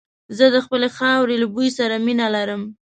زه د خپلې خاورې له بوی سره مينه لرم.